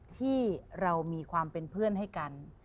ที่เรามีความเป็นเพื่อนให้กัน